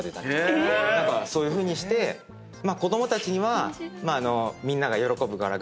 そういうふうにして子供たちにはみんなが喜ぶから。